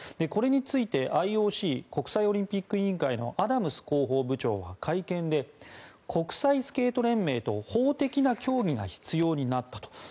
これについてＩＯＣ・国際オリンピック委員会のアダムス広報部長は会見で国際スケート連盟と法的な協議が必要になったと。